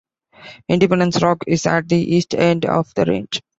Independence Rock is at the east end of the range.